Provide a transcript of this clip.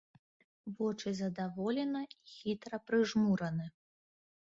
Вочы задаволена і хітра прыжмураны.